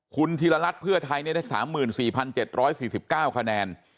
คุณธีรรัฐเพื่อไทยได้๓๔๗๔๙คะแนน